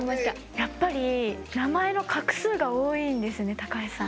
やっぱり名前の画数が多いんですね高橋さん。